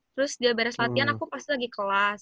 terus dia beres latihan aku pasti lagi kelas